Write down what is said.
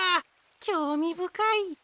きょうみぶかい。